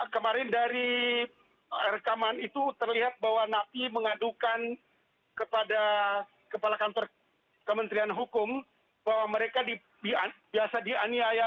kemarin dari rekaman itu terlihat bahwa napi mengadukan kepada kepala kantor kementerian hukum bahwa mereka biasa dianiaya